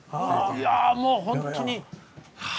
いやもう本当に。